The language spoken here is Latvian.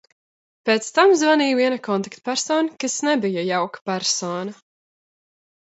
Pēc tam zvanīja viena kontaktpersona, kas nebija jauka persona.